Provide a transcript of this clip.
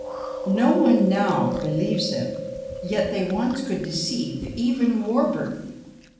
"No one now believes them, yet they once could deceive even Warburton!"